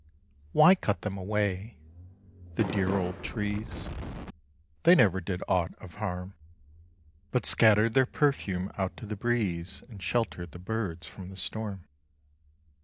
Why cut them away? The dear old trees, They never did aught of harm, But scattered their perfume out to the breeze, And sheltered the birds from the storm.